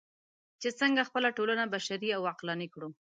چې څنګه خپله ټولنه بشري او عقلاني کړو.